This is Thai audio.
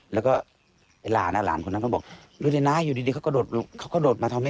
แล้วก็หลานหลานคนนั้นก็บอกดูดินะอยู่ดีเขาก็โดดมา